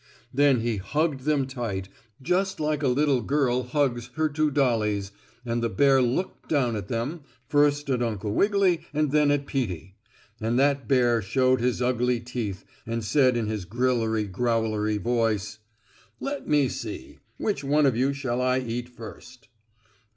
Then he hugged them tight, just like a little girl hugs, her two dollies, and the bear looked down at them, first at Uncle Wiggily and then at Peetie. And that bear showed his ugly teeth, and said in his grillery growlery voice: "Let me see; which one of you shall I eat first?"